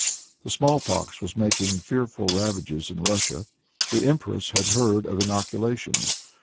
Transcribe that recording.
The small pox was making fearful ravages in Russia. The empress had heard of inoculation.